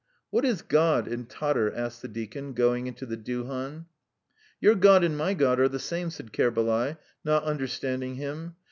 "What is 'God' in Tatar?" asked the deacon, going into the duhan. "Your God and my God are the same," said Kerbalay, not understanding him.